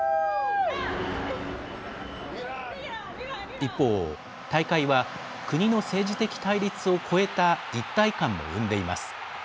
一方、大会は国の政治的対立を越えた一体感も生んでいます。